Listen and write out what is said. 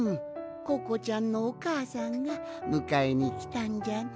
ココちゃんのおかあさんがむかえにきたんじゃな。